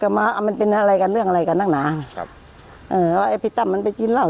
มามันเป็นอะไรกันเรื่องอะไรกันนักหนาครับเอ่อไอ้พี่ตั้มมันไปกินเหล้า